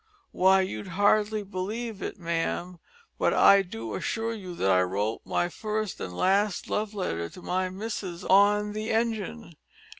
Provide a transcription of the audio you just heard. Why, you'd hardly believe it, ma'am, but I do assure you, that I wrote my fust an' last love letter to my missus on the engine.